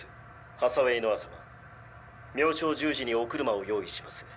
ハサウェイ・ノア様明朝１０時にお車を用意します。